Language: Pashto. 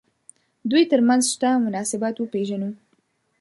دوی تر منځ شته مناسبات وپېژنو.